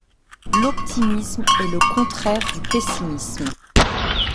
L’optimisme est le contraire du pessimisme.